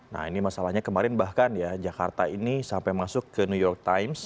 nah ini masalahnya kemarin bahkan ya jakarta ini sampai masuk ke new york times